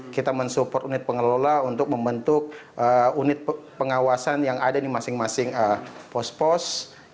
kita mensupport unit pengelola untuk membentuk unit pengawasan yang ada di masing masing pos pos